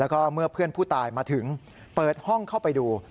แล้วก็เมื่อเพื่อนผู้ตายมาถึงเปิดห้องเข้าไปดู